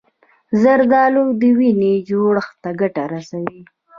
زردالو د وینې جوړښت ته ګټه رسوي.